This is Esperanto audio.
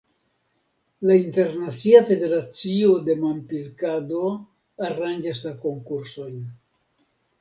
La Internacia Federacio de Manpilkado aranĝas la konkursojn.